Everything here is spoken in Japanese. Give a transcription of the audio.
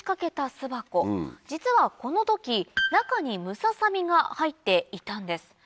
実はこの時中にムササビが入っていたんです。